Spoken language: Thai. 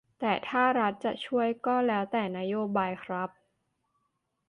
แต่ถ้ารัฐจะช่วย ก็แล้วแต่นโยบายครับ